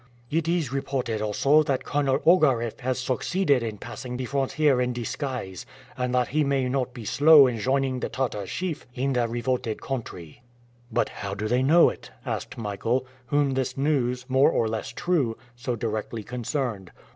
"It is reported also that Colonel Ogareff has succeeded in passing the frontier in disguise, and that he will not be slow in joining the Tartar chief in the revolted country." "But how do they know it?" asked Michael, whom this news, more or less true, so directly concerned.